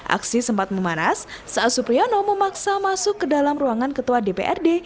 aksi sempat memanas saat supriyono memaksa masuk ke dalam ruangan ketua dprd